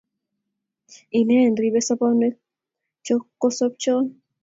Inen ribei sobonwek cho kosopschon